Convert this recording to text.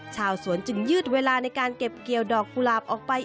ชาวสวนจึงยืดเวลาในการเก็บเกี่ยวดอกกุหลาบออกไป